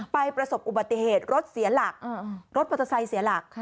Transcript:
ประสบอุบัติเหตุรถเสียหลักรถมอเตอร์ไซค์เสียหลัก